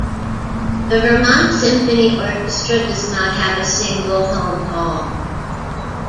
The Vermont Symphony Orchestra does not have a single home hall.